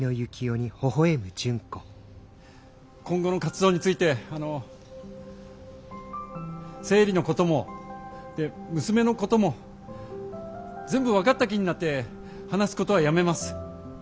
今後の活動についてあの生理のことも娘のことも全部分かった気になって話すことはやめます。